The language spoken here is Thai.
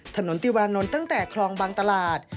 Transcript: ถนนติวานนท์ตั้งแต่คลองบางตลาด